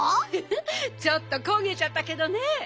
フフッちょっとこげちゃったけどね。